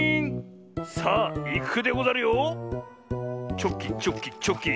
チョキチョキチョキ。